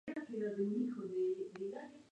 él viviere